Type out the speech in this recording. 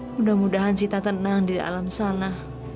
mudah mudahan sita tenang di dalam sana